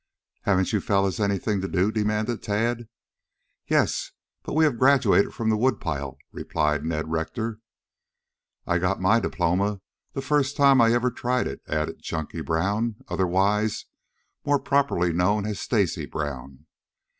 "Haven't you fellows anything to do?" demanded Tad. "Yes, but we have graduated from the woodpile," replied Ned Rector. "I got my diploma the first time I ever tried it," added Chunky Brown, otherwise and more properly known as Stacy Brown.